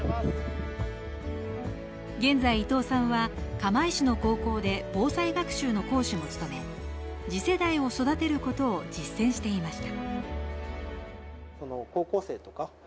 現在、伊藤さんは釜石市の高校で防災学習の講師も務め、次世代を育てることを実践していました。